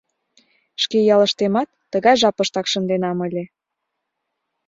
Шке ялыштемат тыгай жапыштак шынденам ыле.